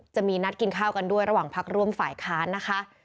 จะมีนัดกินข้าวกันด้วยระหว่างพักร่วมฝ่ายค้านนะคะ